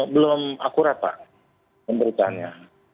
belum akurat pak pemberitanya